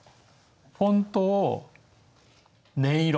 フォントを音色。